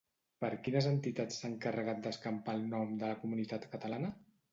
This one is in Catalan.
Per quines entitats s'ha encarregat d'escampar el nom de la comunitat catalana?